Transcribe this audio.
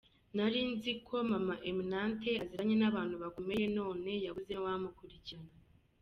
Nri nziko Maman Eminante aziranye n abantu bakomeye none yabuze nuwamukurikirana.